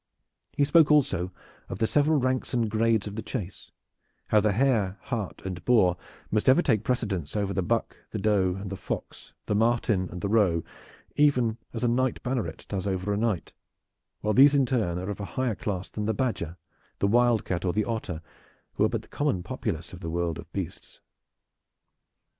He spoke also of the several ranks and grades of the chase: how the hare, hart and boar must ever take precedence over the buck, the doe, the fox, the marten and the roe, even as a knight banneret does over a knight, while these in turn are of a higher class to the badger, the wildcat or the otter, who are but the common populace of the world of beasts.